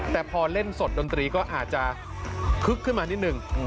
แต่พอเล่นสดดนตรีก็อาจจะคึกขึ้นมานิดนึง